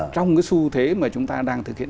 trong cái xu thế mà chúng ta đang thực hiện